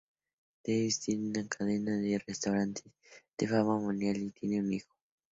Davis: Tiene una cadena de restaurantes de fama mundial y tiene un hijo.